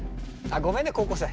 あっごめんね高校生。